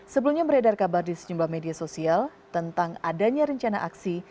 sebelumnya beredar kabar di sejumlah media sosial tentang adanya rencana aksi